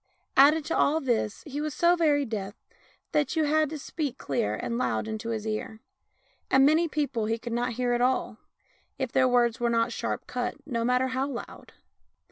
Added to all this he was so very deaf that you had to speak clear and loud into his ear; and many people he could not hear at all, if their words were not sharp cut, no matter how loud.